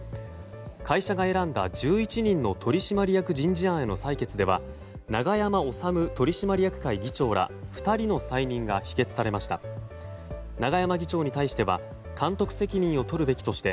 会社が選んだ１１人の取締役人事案への採決では、永山治取締役会議長ら２人の再任が否決されました。